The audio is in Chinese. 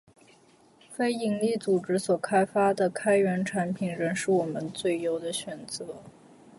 非营利组织所开发的开源产品，仍是我们最优的选择